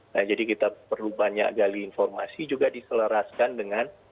nah jadi kita perlu banyak gali informasi juga diselaraskan dengan